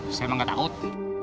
saya memang enggak takut